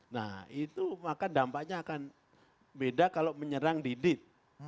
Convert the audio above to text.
nah itu maka dampaknya akan beda kalau menyerang didit